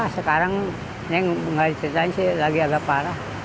sekarang ini mengalir petani lagi agak parah